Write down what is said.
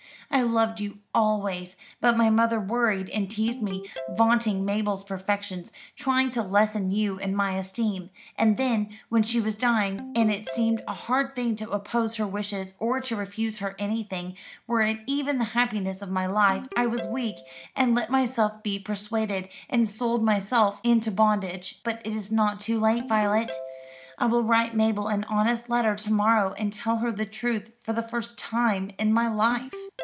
I loved you always; but my mother worried and teased me, vaunting Mabel's perfections, trying to lessen you in my esteem. And then, when she was dying, and it seemed a hard thing to oppose her wishes, or to refuse her anything, were it even the happiness of my life, I was weak, and let myself be persuaded, and sold myself into bondage. But it is not too late, Violet. I will write Mabel an honest letter to morrow, and tell her the truth for the first time in my life."